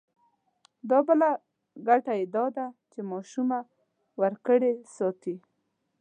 دا بله ګټه یې دا ده چې ماشومه وړوکې ساتي.